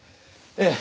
ええ。